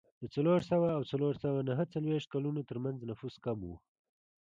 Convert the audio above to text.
د څلور سوه او څلور سوه نهه څلوېښت کلونو ترمنځ نفوس کم و.